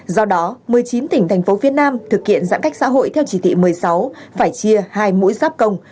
do đó một mươi chín tỉnh thành phố phía nam thực hiện giãn cách xã hội theo chỉ thị một mươi sáu phải chia hai mũi giáp công